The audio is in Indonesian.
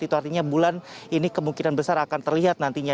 itu artinya bulan ini kemungkinan besar akan terlihat nantinya